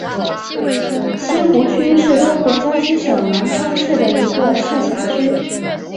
西湖区是中国江西省南昌市的一个市辖区。